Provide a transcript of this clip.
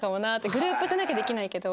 グループじゃなきゃできないけど。